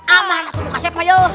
aman atau bukan siapa yuk